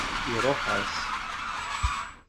Iṛuḥ-as.